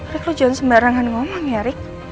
rik lo jangan sembarangan ngomong ya rik